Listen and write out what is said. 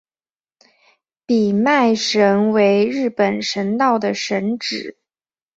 比卖神为日本神道的神只。